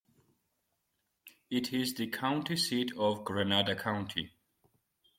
It is the county seat of Grenada County.